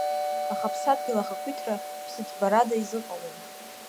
Аха аԥсадгьыл ахақәиҭра ԥсыҭбарада изыҟалом.